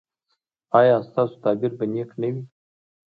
ایا ستاسو تعبیر به نیک نه وي؟